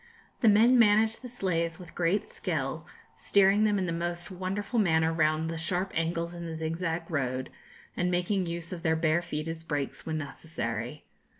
The men manage the sleighs with great skill, steering them in the most wonderful manner round the sharp angles in the zigzag road, and making use of their bare feet as brakes when necessary.